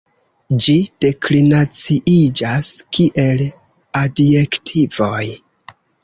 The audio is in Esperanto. Ĝi deklinaciiĝas kiel adjektivoj.